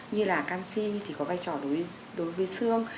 như là canxi thì có vai trò đối với xương